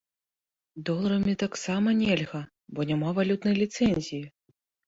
Доларамі таксама нельга, бо няма валютнай ліцэнзіі.